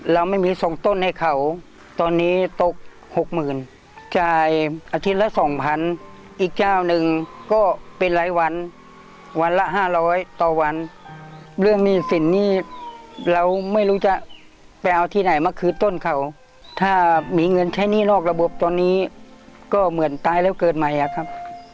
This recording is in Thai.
เราไม่มีสองต้นให้เขาตอนนี้ตกหกหมื่นจ่ายอาทิตย์ละสองพันอีกเจ้าหนึ่งก็เป็นรายวันวันละห้าร้อยต่อวันเรื่องหนี้สินนี่เราไม่รู้จะไปเอาที่ไหนมาคืนต้นเขาถ้ามีเงินใช้หนี้นอกระบบตอนนี้ก็เหมือนตายแล้วเกิดใหม่อะครับ